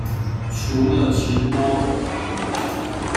除了直播